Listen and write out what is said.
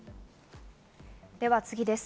では次です。